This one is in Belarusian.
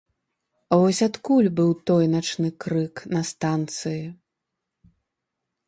Вось адкуль быў той начны крык на станцыі.